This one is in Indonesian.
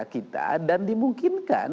kita dan dimungkinkan